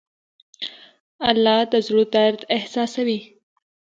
الله د زړه درد احساسوي.